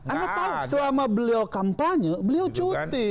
anda tahu selama beliau kampanye beliau cuti